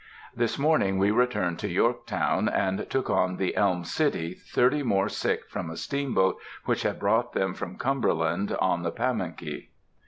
This morning we returned to Yorktown, and took on the Elm City thirty more sick from a steamboat which had brought them from Cumberland on the Pamunkey.